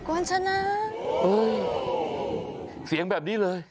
ควรชนะเอ้ยเสียงแบบนี้เลย